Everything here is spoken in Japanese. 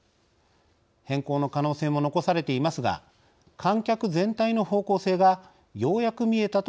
変更の可能性も残されていますが観客全体の方向性がようやく見えたと言えます。